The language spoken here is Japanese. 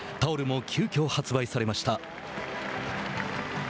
タオルも急きょ発売されました。